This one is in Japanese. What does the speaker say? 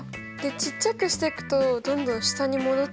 ちっちゃくしてくとどんどん下に戻ってくるんだ。